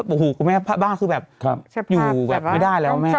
โอ้โหคุณแม่บ้านคือแบบอยู่แบบไม่ได้แล้วแม่